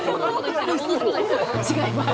違います。